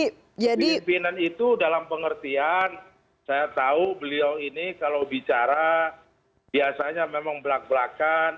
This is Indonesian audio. pimpinan itu dalam pengertian saya tahu beliau ini kalau bicara biasanya memang belak belakan